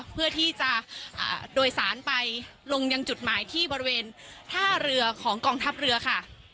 เพื่อที่จะโดยสารไปลงยังจุดหมายที่บริเวณท่าเรือของกองทัพเรือค่ะ